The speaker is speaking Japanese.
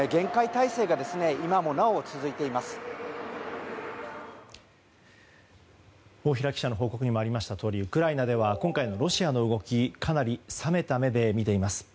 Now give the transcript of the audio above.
大平記者の報告にもありましたとおりウクライナでは今回のロシアの動きかなり冷めた目で見ています。